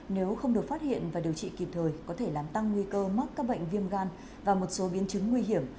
nếu không được phát hiện và điều trị kịp thời có thể làm tăng nguy cơ mắc các bệnh viêm gan và một số biến chứng nguy hiểm